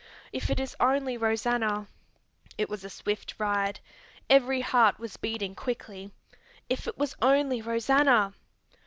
If it is only Rosanna " It was a swift ride. Every heart was beating quickly. If it was only Rosanna!